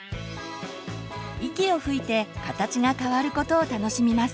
息を吹いて形が変わることを楽しみます。